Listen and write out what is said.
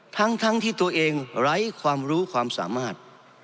ทั้งที่ตัวเองไร้ความรู้ความสามารถ